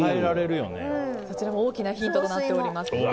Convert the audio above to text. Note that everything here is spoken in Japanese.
そちらも大きなヒントとなっています。